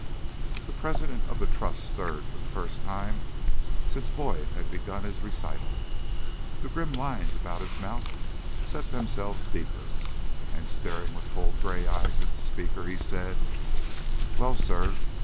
The president of the Trust stirred for the first time since Boyd had begun his recital; the grim lines about his mouth set themselves deeper, and, staring with cold gray eyes at the speaker, he said: "Well, sir!